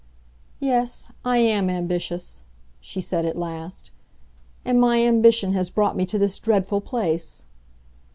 "Yes, I am ambitious," she said at last. "And my ambition has brought me to this dreadful place!"